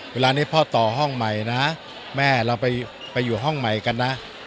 เวลานี้พ่อต่อห้องใหม่นะแม่เราไปอยู่ห้องใหม่กันนะ